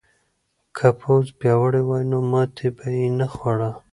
که پوځ پیاوړی وای نو ماتې به یې نه خوړه.